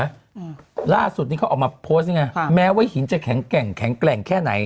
อืมล่าสุดนี้เขาออกมาโพสต์ยังไงค่ะแม้ว่าหินจะแข็งแกร่งแข็งแกร่งแค่ไหน